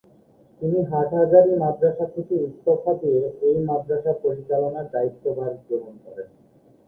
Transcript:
তিনি হাটহাজারী মাদ্রাসা থেকে ইস্তফা দিয়ে এই মাদ্রাসা পরিচালনার দায়িত্বভার গ্রহণ করেন।